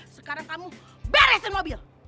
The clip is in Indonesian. sekarang kamu beresin mobil